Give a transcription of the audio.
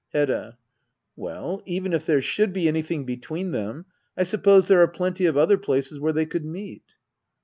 Hedda. Well, even if there should be anything between them, I suppose there are plenty of other places where they could meet.